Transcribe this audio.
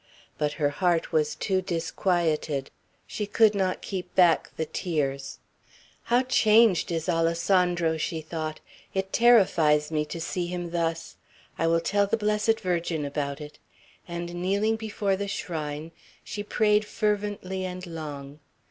But her heart was too disquieted. She could not keep back the tears. "How changed is Alessandro!" she thought. "It terrifies me to see him thus. I will tell the Blessed Virgin about it;" and kneeling before the shrine, she prayed fervently and long.